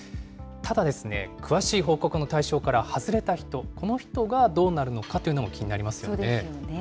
ただ、詳しい報告の対象から外れた人、この人がどうなるのかといそうですよね。